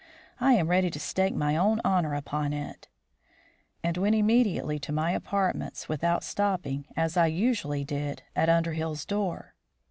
I am ready to stake my own honour upon it," and went immediately to my apartments, without stopping, as I usually did, at Underhill's door.